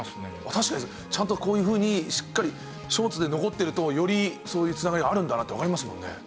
確かにちゃんとこういうふうにしっかり書物で残ってるとよりそういう繋がりがあるんだなってわかりますもんね。